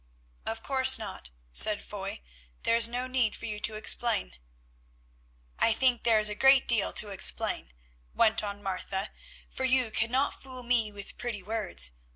"Of course not," said Foy, "there is no need for you to explain." "I think there is a great deal to explain," went on Martha, "for you cannot fool me with pretty words.